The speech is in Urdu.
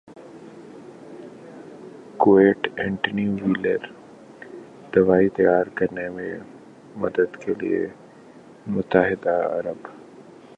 کوویڈ اینٹی ویرل دوائی تیار کرنے میں مدد کے لئے متحدہ عرب